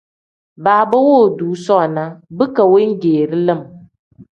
Baaba woodoo soona bika wengeeri lim.